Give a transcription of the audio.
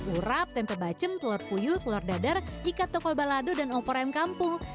urap tempe bacem telur puyuh telur dadar ikat tokol balado dan opor ayam kampung